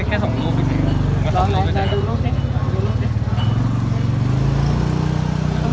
แค่ส่งรูปสิมาส่งรูปด้วยนะครับ